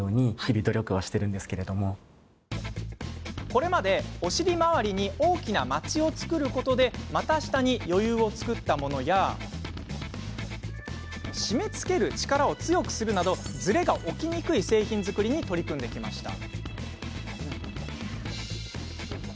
これまで、お尻周りに大きなマチを作ることで股下に余裕を作ったものや締め付ける力を強くするなどズレが起きにくい製品作りに取り組んできました。